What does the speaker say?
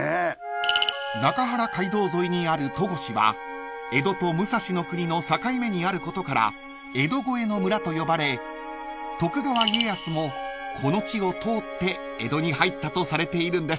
［中原街道沿いにある戸越は江戸と武蔵国の境目にあることから江戸越えの村と呼ばれ徳川家康もこの地を通って江戸に入ったとされているんです］